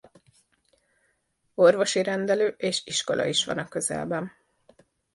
Orvosi rendelő és iskola is van a közelben.